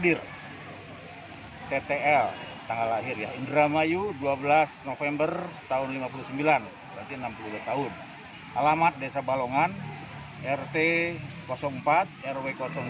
dari keterangan pihak bpbd indramayu korban memiliki riwayat sakit jantung